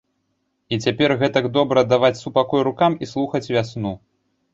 І цяпер гэтак добра даваць супакой рукам і слухаць вясну.